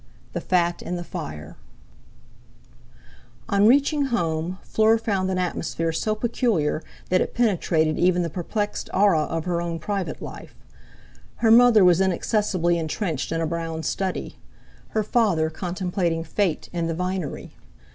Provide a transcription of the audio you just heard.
IX.—THE FAT IN THE FIRE On reaching home Fleur found an atmosphere so peculiar that it penetrated even the perplexed aura of her own private life. Her mother was inaccessibly entrenched in a brown study; her father contemplating fate in the vinery.